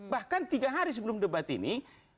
bahkan tiga hari sebelum debat ini